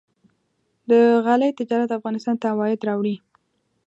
د غالۍ تجارت افغانستان ته عواید راوړي.